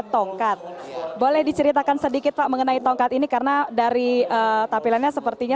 tongkat boleh diceritakan sedikit pak mengenai tongkat ini karena dari tampilannya sepertinya